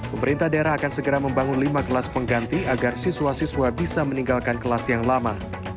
pemerintah daerah akan segera membangun lima kelas pengganti agar siswa siswa bisa meninggalkan kelas yang lama